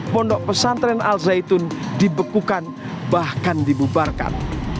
pondok pesantren al zaitun dibekukan bahkan dibubarkan